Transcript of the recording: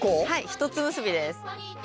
一つ結びです。